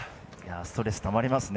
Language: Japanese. ストレスたまりますね。